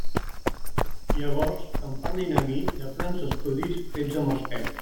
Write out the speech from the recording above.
Llavors, que em parlin a mi de plans d'estudi fets amb els peus.